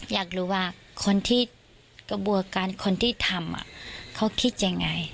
อยากรู้ว่าคนที่กระบวนการคนที่ทำเขาคิดยังไง